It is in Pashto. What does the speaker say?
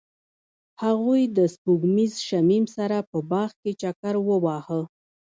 هغوی د سپوږمیز شمیم سره په باغ کې چکر وواهه.